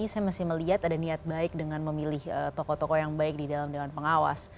saya masih melihat ada niat baik dengan memilih tokoh tokoh yang baik di dalam dewan pengawas